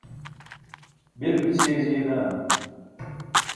bil mićʰiya jiiye dan